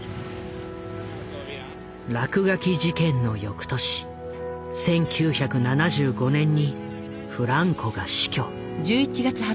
落書き事件の翌年１９７５年にフランコが死去。